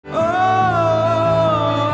kalau ngomong jangan sembarangan ya